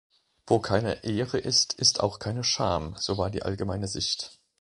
Wo keine Ehre ist, ist auch keine Scham, so war die allgemeine Sicht.